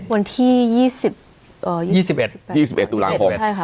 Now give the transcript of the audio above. วันที่ยี่สิบเอ่อยี่สิบเอ็ดยี่สิบเอ็ดตุล้างพกใช่ค่ะ